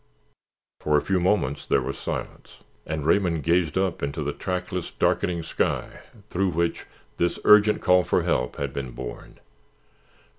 For a few moments there was silence and Raymond gazed up into the trackless, darkening sky through which this urgent call for help had been borne.